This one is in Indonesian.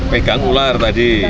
pegang ular tadi